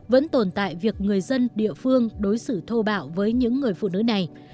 vẫn tồn tại việc người dân địa phương đối xử thô bạo với những người phụ nữ này